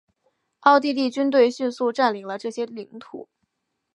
奥地利军队迅速占领了这些领土。